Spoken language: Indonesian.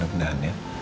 enak banget ya